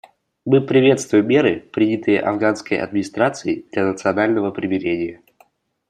Мы приветствуем меры, принятые афганской администрацией для национального примирения.